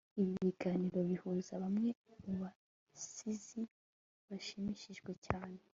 ibi biganiro bihuza bamwe mubasizi bashimishije cyane